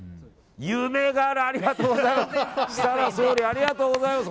夢があるありがとうございます！